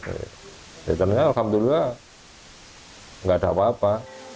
terus ternyata alhamdulillah gak ada apa apa